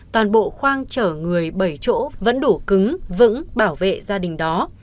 toàn bộ khoang chở người bảy chỗ vẫn đủ cứng vững bảo vệ gia đình đó